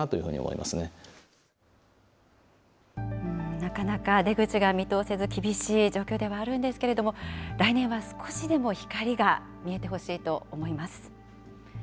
なかなか出口が見通せず、厳しい状況ではあるんですけれども、来年は少しでも光が見えてほしいと思います。